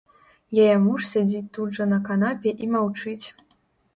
Яе муж сядзіць тут жа на канапе і маўчыць.